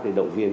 để động viên